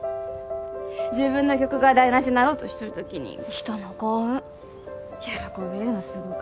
自分の曲が台無しになろうとしとる時に人の幸運喜べるのすごか